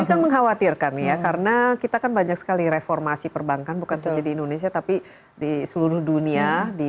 ini kan mengkhawatirkan ya karena kita kan banyak sekali reformasi perbankan bukan saja di indonesia tapi di seluruh dunia